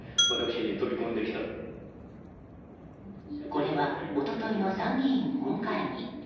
これは一昨日の参議院本会議。